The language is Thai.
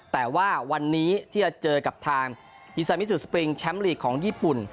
แต่ว่าวันนี้ที่จะเจอกับทางอีซามิสุสปริงแชมป์ลีกของญี่ปุ่น